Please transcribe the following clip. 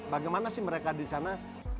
bagaimana sih mereka di sana